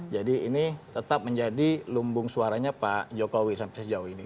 ini tetap menjadi lumbung suaranya pak jokowi sampai sejauh ini